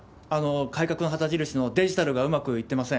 改革の旗印のデジタルがうまくいってません。